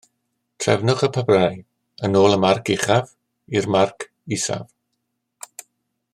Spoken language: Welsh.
Trefnwch y papurau yn ôl y marc uchaf i'r marc isaf